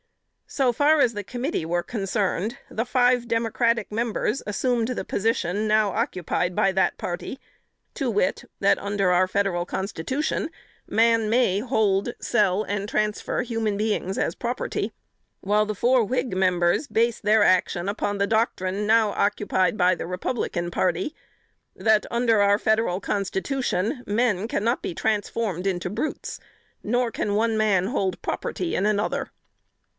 So far as the committee were concerned, the five Democratic members assumed the position now occupied by that party, to wit, that under our Federal Constitution, man may hold, sell and transfer human beings as property; while the four Whig members based their action upon the doctrine now occupied by the Republican party that, under our Federal Constitution, men cannot be transformed into brutes; nor can one man hold property in another.